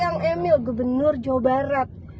kang emil gubernur jawa barat